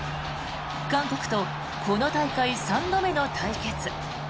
韓国とこの大会３度目の対決。